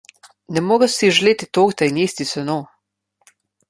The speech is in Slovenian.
Ne moreš si želeti torte in jesti seno.